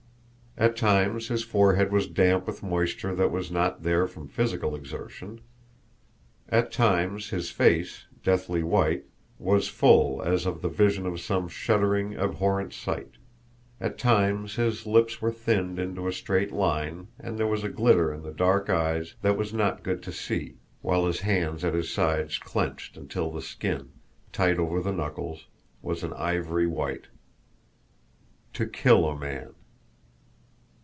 At times his forehead was damp with moisture that was not there from physical exertion; at times his face, deathly white, was full as of the vision of some shuddering, abhorrent sight; at times his lips were thinned into a straight line, and there was a glitter in the dark eyes that was not good to see, while his hands at his sides clenched until the skin, tight over the knuckles, was an ivory white. To kill a man!